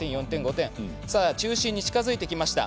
中心に近づいてきました。